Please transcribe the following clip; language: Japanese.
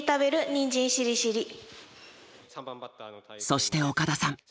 そして岡田さん。